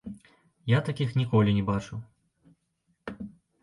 Я такіх ніколі не бачыў.